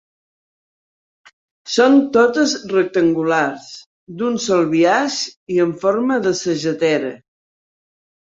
Són totes rectangulars, d'un sol biaix i amb forma de sagetera.